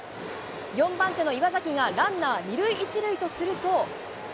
４番手の岩崎が、ランナー２塁１塁とすると。